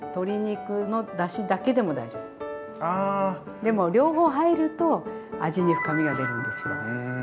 でも両方入ると味に深みが出るんですよねえ。